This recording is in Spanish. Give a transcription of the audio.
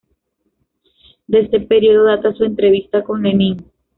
De este periodo data su entrevista con Lenin.